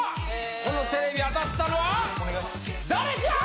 このテレビ当たったのはダレちゃーん！